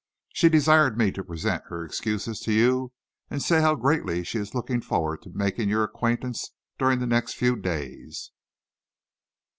She desired me to present her excuses to you and say how greatly she is looking forward to making your acquaintance during the next few days."